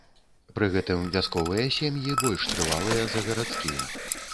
Пры гэтым вясковыя сем'і больш трывалыя за гарадскія.